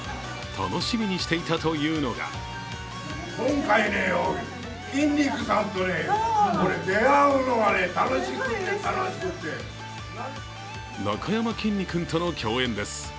楽しみにしていたというのがなかやまきんに君との共演です。